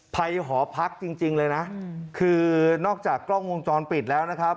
หอพักจริงเลยนะคือนอกจากกล้องวงจรปิดแล้วนะครับ